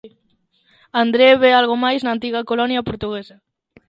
André ve algo máis na antiga colonia portuguesa.